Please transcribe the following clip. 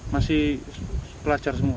masih pelajar semua